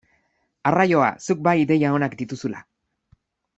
Arraioa, zuk bai ideia onak dituzula!